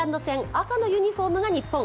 赤のユニフォームが日本。